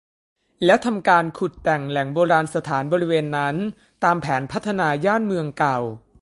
และทำการขุดแต่งแหล่งโบราณสถานบริเวณนั้นตามแผนพัฒนาย่านเมืองเก่า